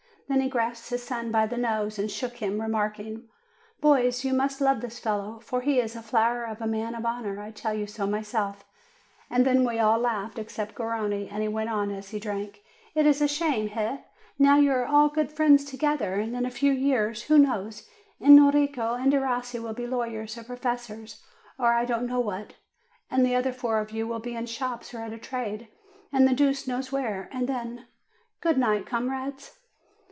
Then he grasped his son by the nose, and shook him, remarking, ''Boys, you must love this fellow, for he is a flower of a man of honor; I tell you so myself!" And then we all laughed, except Garrone. And he went on, as he drank, "It is a shame, eh ! now you are all good friends' together, and in a few years, who knows, Enrico and Derossi will be lawyers or professors or I don't know what, and the other four of you will be in shops or at a trade, and the deuce knows where, and then good night, comrades!"